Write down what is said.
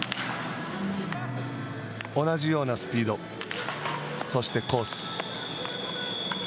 同じようなスピードそしてコース。